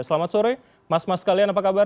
selamat sore mas mas kalian apa kabar